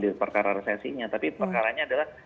di perkara resesinya tapi perkaranya adalah